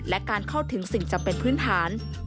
และการเข้าถึงสิ่งจำเป็นพื้นฐาน